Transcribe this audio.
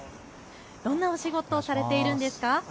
どんなお仕事されているんですか。